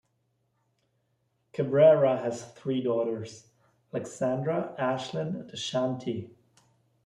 Cabrera has three daughters: Alexandra, Ashlyn, and Ashanty.